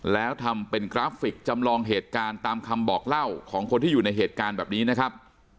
แล้วทำเป็นกราฟิกจำลองเหตุการณ์ตามคำบอกเล่าของคนที่อยู่ในเหตุการณ์แบบนี้นะครับ